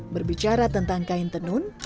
berbicara tentang kain tenun